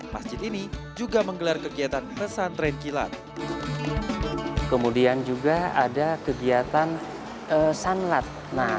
masjid ini juga menggelar kegiatan pesantren kilat kemudian juga ada kegiatan sanlat nah